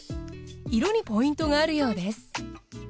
色にポイントがあるようです。